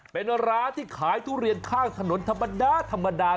เป็นร้านที่ขายทุเรียนข้างถนนธรรมดาธรรมดา